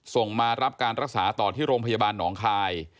ส่งมารับการรักษาต่อที่โรงพยาบาลหนองคาย